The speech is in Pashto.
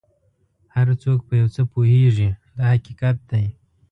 هر څوک په یو څه پوهېږي دا حقیقت دی.